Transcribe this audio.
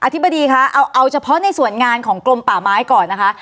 ธิบดีคะเอาเฉพาะในส่วนงานของกรมป่าไม้ก่อนนะคะ